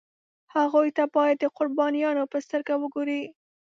هغوی ته باید د قربانیانو په سترګه وګوري.